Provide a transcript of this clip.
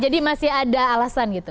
jadi masih ada alasan gitu